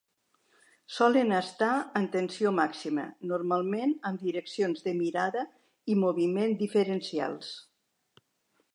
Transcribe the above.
Solen estar en tensió màxima, normalment amb direccions de mirada i moviment diferencials.